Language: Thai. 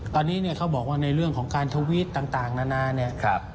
ตอนนี้เนี่ยเขาบอกว่าในเรื่องของการทวิตต่างนานาเนี่ย